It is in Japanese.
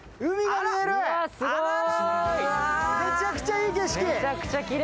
めちゃくちゃいい景色！